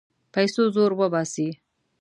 پیسو زور وباسي.